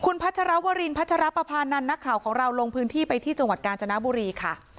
พัชรวรินพัชรปภานันทร์นักข่าวของเราลงพื้นที่ไปที่จังหวัดกาญจนบุรีค่ะ